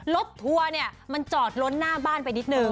ทัวร์เนี่ยมันจอดล้นหน้าบ้านไปนิดนึง